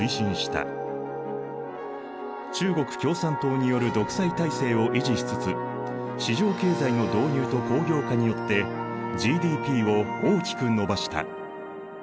中国共産党による独裁体制を維持しつつ市場経済の導入と工業化によってＧＤＰを大きく伸ばした。